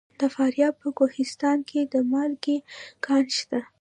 د فاریاب په کوهستان کې د مالګې کان شته.